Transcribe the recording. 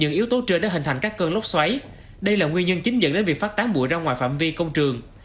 những yếu tố trưa đã hình thành các cơn lốc xoáy đây là nguyên nhân chính dẫn đến việc phát tán bụi ra ngoài phạm vi công trường